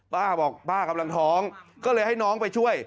ป้าบอกป้ากำลังท้องก็เลยให้น้องไปช่วย